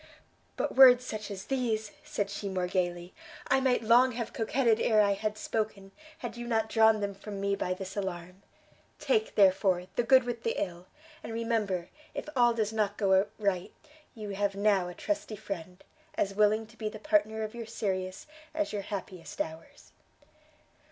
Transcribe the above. "But words such as these," said she more gaily, "I might long have coquetted ere I had spoken, had you not drawn them from me by this alarm. Take, therefore, the good with the ill, and remember, if all does not go right, you have now a trusty friend, as willing to be the partner of your serious as your happiest hours."